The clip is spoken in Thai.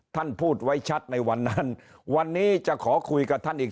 ท่านพูดไว้ชัดในวันนั้นวันนี้จะขอคุยกับท่านอีก